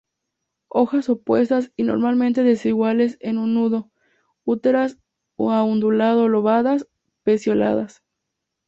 Hojas opuestas y normalmente desiguales en un nudo, enteras a undulado-lobadas, pecioladas.